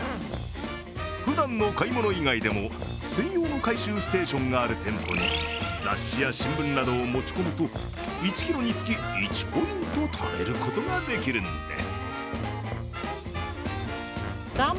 ふだんの買い物以外でも専用の回収ステーションがある店舗に雑誌や新聞などを持ち込むと１ｋｇにつき１ポイントためることができるんです。